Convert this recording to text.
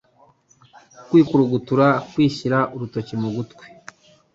Kwikurugutura Kwishyira urutoki mu gutwi